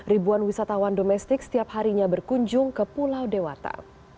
ribuan wisatawan domestik setiap harinya berkunjung ke pulau dewata